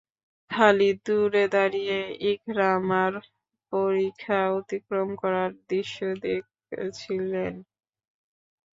খালিদ দূরে দাঁড়িয়ে ইকরামার পরিখা অতিক্রম করার দৃশ্য দেখছিলেন।